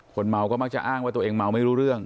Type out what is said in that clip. คนเมาก็มักจะอ้างว่าตัวเองเมาไม่รู้เรื่อง